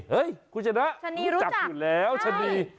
เฮ้ยคุณชะนักรู้จักอยู่แล้วชะนี